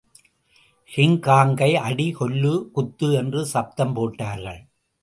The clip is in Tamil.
கிங்காங்கை அடி, கொல்லு, குத்து என்று சப்தம் போட்டார்கள்.